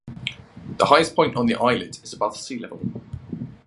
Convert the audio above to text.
The highest point on the islet is above sea level.